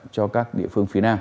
cho các địa phương phía nam